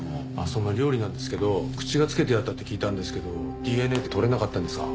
その料理なんですけど口がつけてあったって聞いたんですけどＤＮＡって採れなかったんですか？